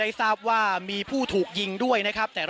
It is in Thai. ไม่ทราบว่าตอนนี้มีการถูกยิงด้วยหรือเปล่านะครับ